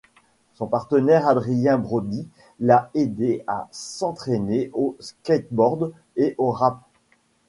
Son partenaire Adrien Brody l’a aidée à s’entraîner au skateboard et au rap.